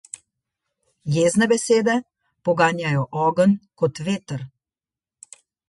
Jezne besede poganjajo ogenj kot veter.